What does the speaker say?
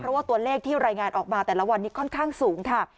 เพราะว่าตัวเลขที่รายงานออกมาแต่ละวันนี้ค่อนข้างสูงค่ะ